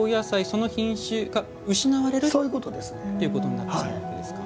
その品種が失われるということになるわけですか。